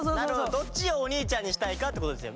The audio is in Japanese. どっちをおにいちゃんにしたいかってことですよ。